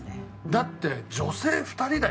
だって女性２人だよ。